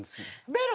ベロ？